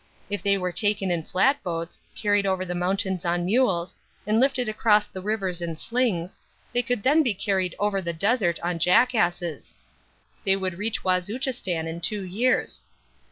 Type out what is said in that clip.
If they were taken in flat boats, carried over the mountains on mules, and lifted across the rivers in slings, they could then be carried over the desert on jackasses. They could reach Wazuchistan in two years.